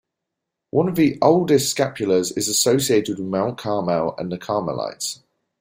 One of the oldest scapulars is associated with Mount Carmel and the Carmelites.